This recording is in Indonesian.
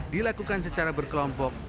dilakukan secara berkelompok